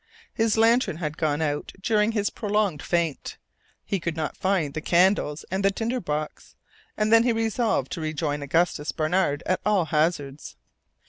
His lantern had gone out during his prolonged faint; he could not find the candles and the tinder box, and he then resolved to rejoin Augustus Barnard at all hazards.